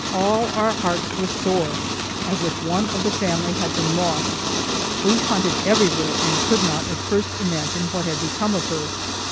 All our hearts were sore, as if one of the family had been lost. We hunted everywhere and could not at first imagine what had become of her.